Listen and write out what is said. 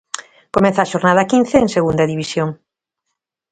Comeza a xornada quince en Segunda División.